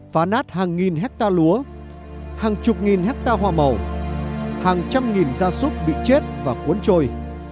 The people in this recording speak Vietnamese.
phá nát hàng nghìn hectare lúa hàng chục nghìn hectare hoa màu hàng trăm nghìn gia súc bị chết và cuốn trôi